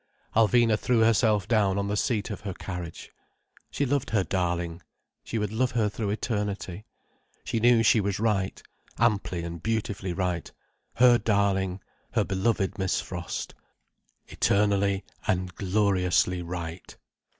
Alvina threw herself down on the seat of her carriage. She loved her darling. She would love her through eternity. She knew she was right—amply and beautifully right, her darling, her beloved Miss Frost. Eternally and gloriously right.